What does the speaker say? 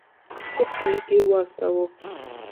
پټ لیک واستاوه.